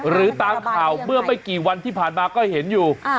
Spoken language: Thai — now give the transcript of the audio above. หรือตามข่าวเมื่อไม่กี่วันที่ผ่านมาก็เห็นอยู่